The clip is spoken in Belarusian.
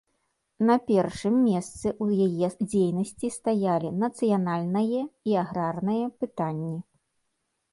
На першым месцы ў яе дзейнасці стаялі нацыянальнае і аграрнае пытанні.